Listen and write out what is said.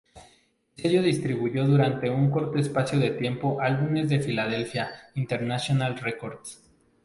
El sello distribuyó durante un corto espacio de tiempo álbumes de Philadelphia International Records.